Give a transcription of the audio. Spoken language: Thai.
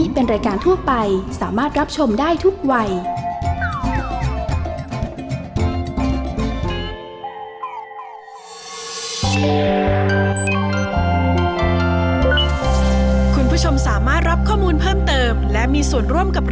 เป็นกี้ก็โหลดแล้วค่ะ